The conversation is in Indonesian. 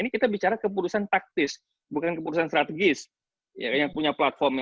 ini kita bicara keputusan taktis bukan keputusan strategis yang punya platform